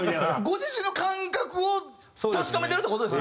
ご自身の感覚を確かめてるって事ですよね。